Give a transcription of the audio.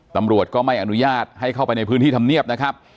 ตำรวจก็ไม่อนุญาตให้เข้าไปในพื้นที่ธรรมเนียบนะครับ